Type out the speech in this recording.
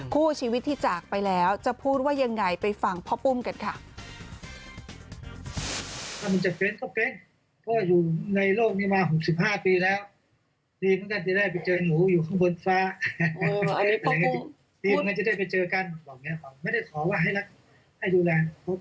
คู่ชีวิตที่จากไปแล้วจะพูดว่ายังไงไปฟังพ่อปุ้มกันค่ะ